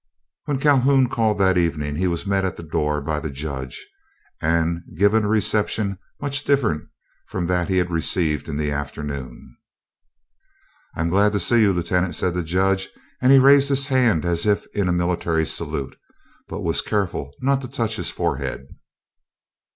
When Calhoun called that evening, he was met at the door by the Judge, and given a reception much different from that he received in the afternoon. "I am glad to see you, Lieutenant," said the Judge, and he raised his hand as if in military salute, but was careful not to touch his forehead.